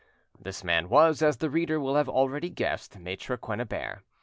This man was, as the reader will have already guessed, Maitre Quennebert.